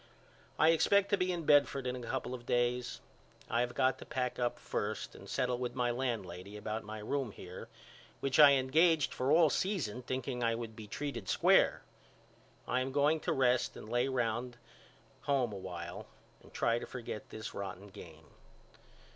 I expect to be in Bedford in a couple of days. I have got to pack up first and settle with my landlady about my room here which I engaged for all season thinking I would be treated square. I am going to rest and lay round home a while and try to forget this rotten game.